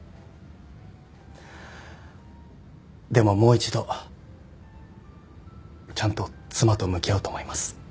でももう一度ちゃんと妻と向き合おうと思います。